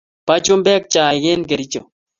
Pa chumbek chaik en kericho